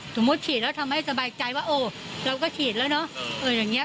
สมมุติฉีดแล้วทำให้สบายใจว่าโอ้เราก็ฉีดแล้วเนอะ